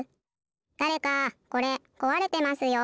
だれかこれこわれてますよ。